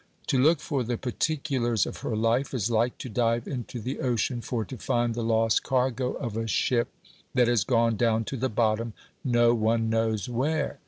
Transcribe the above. To look for the particulars of her life is like to dive into the ocean for to find the lost cargo of a ship that is gone down to the bottom, no one knows where.